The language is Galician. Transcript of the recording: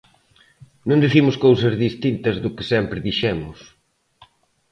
Non dicimos cousas distintas do que sempre dixemos.